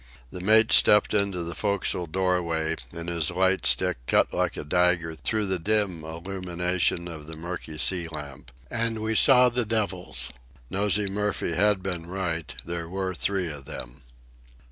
The mate stepped into the forecastle doorway, and his light stick cut like a dagger through the dim illumination of the murky sea lamp. And we saw the devils. Nosey Murphy had been right. There were three of them.